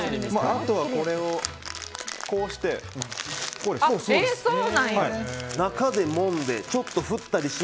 あとは、これをこうしてこうです。